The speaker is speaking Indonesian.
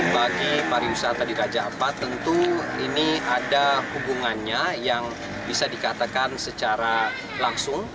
bagi para usaha tadi raja alpat tentu ini ada hubungannya yang bisa dikatakan secara langsung